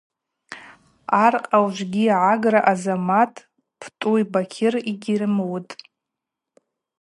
Аркъа ужвыгьи агӏагра Азамат, Птӏу, Бакьыр йгьрымуытӏ.